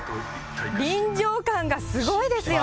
臨場感がすごいですよね。